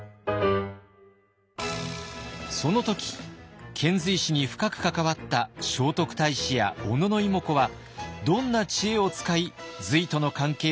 その時遣隋使に深く関わった聖徳太子や小野妹子はどんな知恵を使い隋との関係を深めたのか。